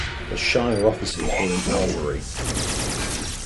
The shire offices were in Albury.